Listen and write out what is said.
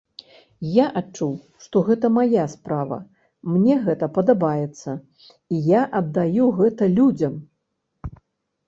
Я адчуў, што гэта мая справа, мне гэта падабаецца, і я аддаю гэта людзям.